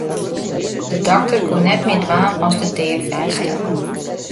De dokter koe net mear dwaan as de dea fêststelle.